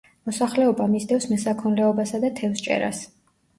მოსახლეობა მისდევს მესაქონლეობასა და თევზჭერას.